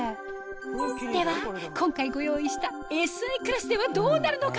では今回ご用意したＳＩクラスではどうなるのか？